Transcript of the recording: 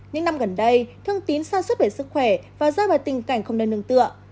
những năm gần đây thương tín xa suốt về sức khỏe và rơi vào tình cảnh không nơi nương tựa